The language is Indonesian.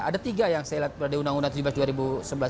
ada tiga yang saya lihat di undang undang tujuh belas dua ribu sebelas